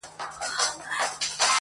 زما فال یې د حافظ په میخانه کي وو کتلی!.